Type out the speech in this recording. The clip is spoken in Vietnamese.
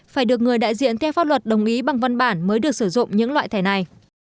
phải được người đại diện theo pháp luật đồng ý bằng văn bản mới được sử dụng những loại thẻ này